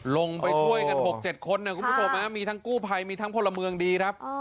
ลงไปช่วยกัน๖๗คนนะคุณผู้ชมมีทั้งกู้ภัยมีทั้งพลเมืองดีครับ